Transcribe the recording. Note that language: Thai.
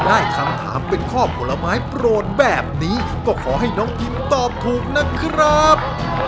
ได้คำถามเป็นข้อผลไม้โปรดแบบนี้ก็ขอให้น้องพิมตอบถูกนะครับ